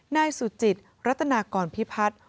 นายสุจิตรัตนากรพิพัฒน์